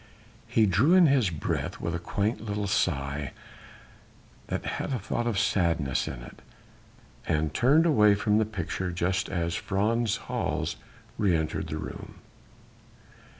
He drew in his breath with a quaint little sigh that had a thought of sadness in it, and turned away from the picture just as Frans Hals re entered the room.